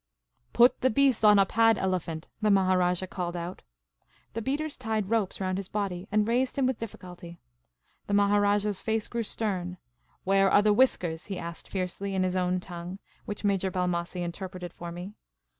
" Put the beast on a pad elephant," the Maharajah called out. The beaters tied ropes round his body and raised him with difficulty. The Maharajah's face grew stern. " Where are the whiskers?" he asked, fiercel) , in his own tongue, which Major Balmossie interpreted for me.